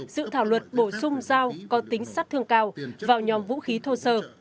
dự thảo luật bổ sung dao có tính sát thương cao vào nhóm vũ khí thô sơ